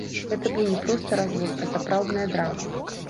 Гэта быў не проста развод, а сапраўдная драма.